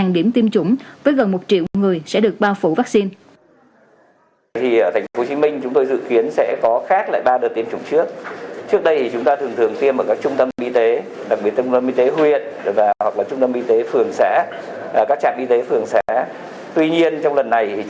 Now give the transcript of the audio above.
điểm tiêm chủng với gần một triệu người sẽ được bao phủ vaccine